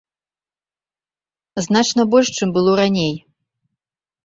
Значна больш, чым было раней.